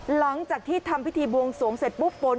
หลังจากที่ทำพิธีวงศวงศวรรค์เสร็จปุ๊บปน